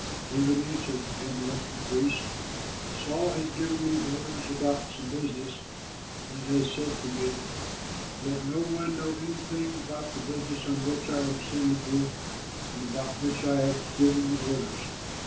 David answered Ahimelech the priest, "Saul has given me orders about some business and has said to me, 'Let no one know anything about the business on which I am sending you and about which I have given you orders.'